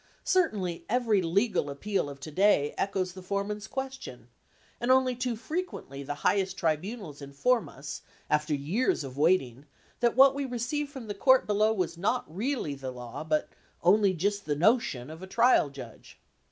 Certainly every legal appeal of to day echoes the fore man's question, and only too frequently the high est tribunals inform us, after years of waiting, that what we received from the court below was not really the law, but "on'y jist the notion" of a trial judge.